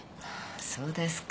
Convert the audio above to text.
そうですか。